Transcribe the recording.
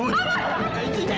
papa papa udah